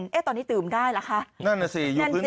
นั่นนะสิอยู่พื้นที่ไหนสิ